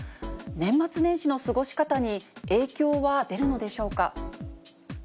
年末年始の過ごし方に影響は出るのでしょうか。